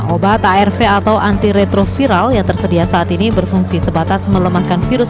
obat arv atau anti retroviral yang tersedia saat ini berfungsi sebatas melemahkan virus